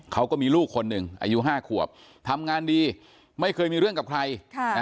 เขาก็มีลูกคนหนึ่งอายุ๕ขวบทำงานดีไม่เคยมีเรื่องกับใคร